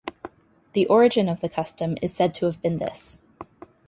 The origin of the custom is said to have been this.